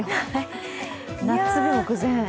夏日目前。